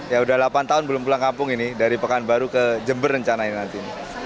ya udah delapan tahun belum pulang kampung ini dari pekanbaru ke jember rencananya nanti